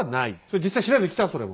実際調べてきたそれも。